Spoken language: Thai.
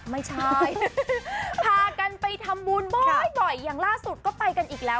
ไม่ใช่พากันไปทำบุญบ่อยอย่างล่าสุดก็ไปกันอีกแล้ว